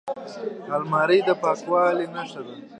الماري د پاکوالي نښه ده